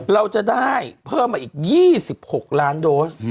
เราจะได้เพิ่มมาอีก๒๖ล้านโดส